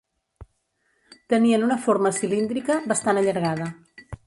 Tenien una forma cilíndrica, bastant allargada.